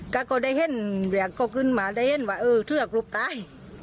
ก็ก็ได้เห็นเรียกก็คืนหวังได้เห็นว่าเออทุกอย่างลูกตาย